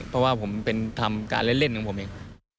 เพราะว่าผมเป็นทำการเล่นของผมเอง